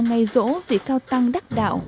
ngày rỗ vì cao tăng đắc đạo